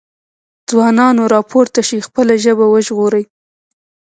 ځوانانو راپورته شئ خپله ژبه وژغورئ۔